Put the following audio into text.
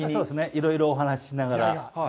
いろいろお話ししながら。